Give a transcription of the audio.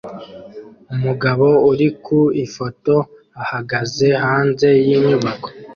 Umugabo uri ku ifoto ahagaze hanze yinyubako